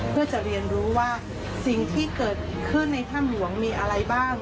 เพื่อจะเรียนรู้ว่าสิ่งที่เกิดขึ้นในถ้ำหลวงมีอะไรบ้าง